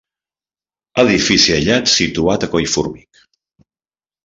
Edifici aïllat situat a Collformic.